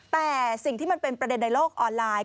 แต่สิ่งที่มันเป็นประเด็นในโลกออนไลน์